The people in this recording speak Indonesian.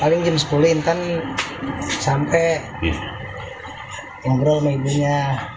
paling jam sepuluh intan sampai yang berol sama ibunya